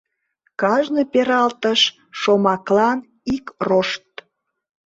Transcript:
Кажне пералтыш шомаклан ик рошт.